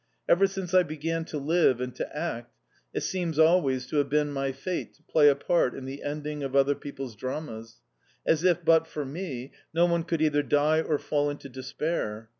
Ever since I began to live and to act, it seems always to have been my fate to play a part in the ending of other people's dramas, as if, but for me, no one could either die or fall into despair!